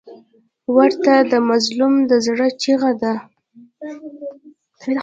وژنه د مظلوم د زړه چیغه ده